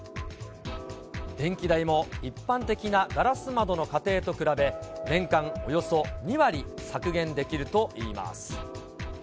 電気代も一般的なガラス窓の家庭と比べ、年間およそ２割削減できるといいます。